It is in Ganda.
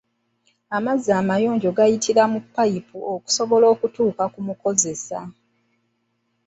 Amazzi amayonjo gayita mu payipu okusobola okutuuka ku mukozesa.